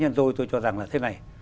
nhân dôi tôi cho rằng là thế này